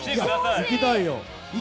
行きたいよ。